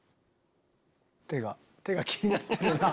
手が手が気になってるな。